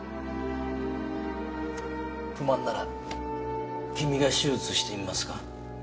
不満なら君が手術してみますか？